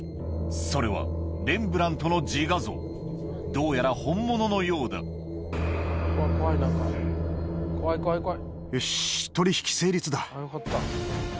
それはレンブラントの『自画像』どうやら本物のようだ怖い何か怖い怖い怖い。